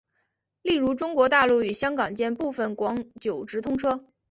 例如中国大陆与香港间部分广九直通车。